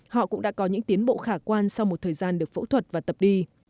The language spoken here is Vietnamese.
họ cũng đã có những tiến bộ khả quan sau một thời gian được phẫu thuật và tập đi